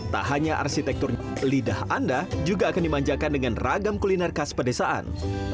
tak hanya arsitekturnya lidah anda juga akan dimanjakan dengan ragam kuliner khas pedesaan